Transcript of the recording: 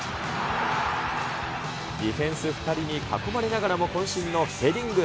ディフェンス２人に囲まれながらも、こん身のヘディング。